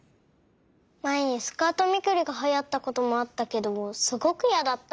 まえにスカートめくりがはやったこともあったけどすごくイヤだった！